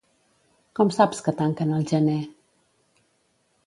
Com saps que tanquen al gener?